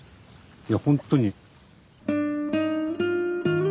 いやほんとに。